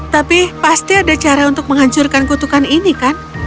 tapi pasti ada cara untuk menghancurkan kutukan ini kan